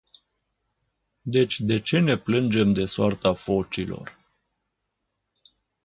Deci de ce ne plângem de soarta focilor?